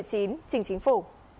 trình chính phủ